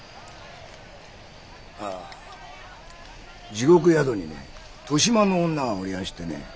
ああ地獄宿にね年増の女がおりやしてね。